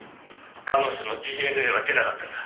彼女のＤＮＡは出なかったんだ」